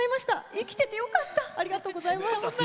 生きていてよかったありがとうございます。